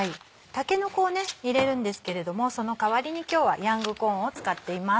タケノコを入れるんですけれどもその代わりに今日はヤングコーンを使っています。